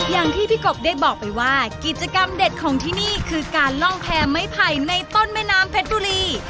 อย่างที่พี่กบได้บอกไปว่ากิจกรรมเด็ดของที่นี่คือการล่องแพร่ไม้ไผ่ในต้นแม่น้ำเพชรบุรี